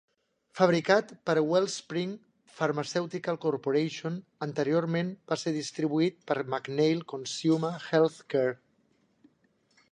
Fabricat per WellSpring Pharmaceutical Corporation, anteriorment va ser distribuït per McNeil Consumer Healthcare.